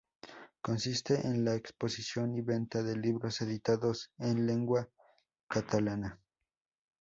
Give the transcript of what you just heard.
Consiste en la exposición y venta de libros editados en lengua catalana.